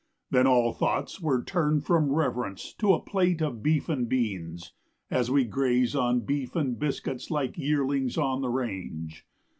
Then all thoughts were turned from reverence To a plate of beef and beans, As we graze on beef and biscuits Like yearlings on the range.